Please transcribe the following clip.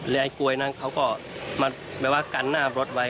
และกลวยนั่นเขาก็หมายความว่ากันหน้ารถไว้